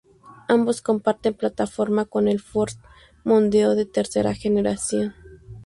Ambos comparten plataforma con el Ford Mondeo de tercera generación.